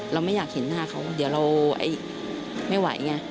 เราไม่อยากเห็นหน้าเขาเดี๋ยวเราไม่ไหวไง